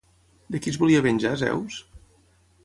De qui es volia venjar Zeus?